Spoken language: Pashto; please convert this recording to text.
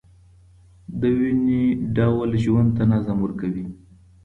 دویني ډول ژوند ته نظم ورکوي.